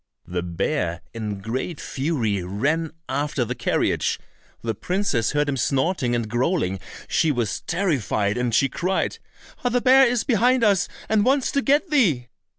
The bear in great fury ran after the carriage. The princess heard him snorting and growling; she was terrified, and she cried, "Ah, the bear is behind us and wants to get thee!"